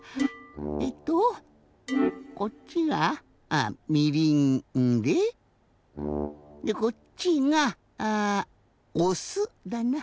えっとこっちがみりんででこっちがあおすだな？